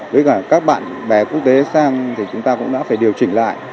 với cả các bạn bè quốc tế sang thì chúng ta cũng đã phải điều chỉnh lại